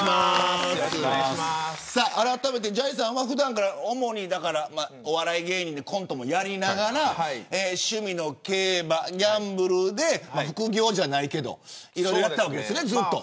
あらためてじゃいさんは普段から主に、お笑い芸人でコントもやりながら趣味の競馬ギャンブルで副業じゃないけどいろいろやっていたわけですねずっと。